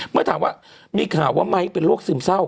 เมื่อถามว่ามีข่าวว่าไม้เป็นโรคซึมเศร้า